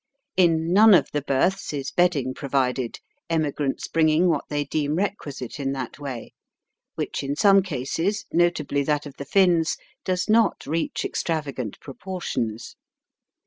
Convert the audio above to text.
In none of the berths is bed ding provided, emigrants bringing what they deem requisite in that way, which in some cases, notably that of the Finns, does not reach extravagant proportions.